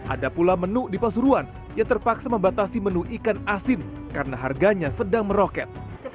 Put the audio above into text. ada pula menu di pasuruan yang terpaksa membatasi menu ikan asin karena harganya sedang meroket